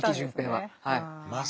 はい。